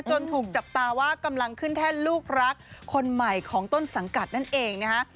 จนถูกจับตาว่ากำลังขึ้นแท่นลูกรักคนใหม่ของต้นสังกัดนั่นเองนะฮะ